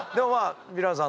ヴィランさん